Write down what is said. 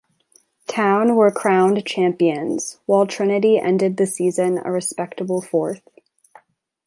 Town were crowned champions, while Trinity ended the season a respectable fourth.